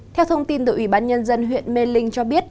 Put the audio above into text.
theo thông tin từ ủy ban nhân dân huyện mê linh cho biết